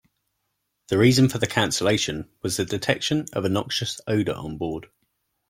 The reason for the cancellation was the detection of a noxious odor on board.